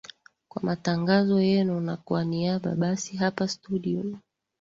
kwa matangazo yenu na kwa niaba basi hapa studio